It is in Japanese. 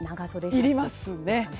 いりますね。